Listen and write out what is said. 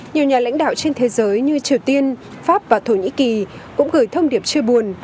nhiều nhà lãnh đạo trên thế giới như triều tiên pháp và thổ nhĩ kỳ cũng gửi thông điệp chưa buồn